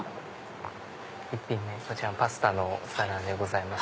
１品目パスタのお皿でございます。